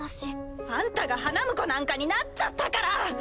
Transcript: あんたが花婿なんかになっちゃったから！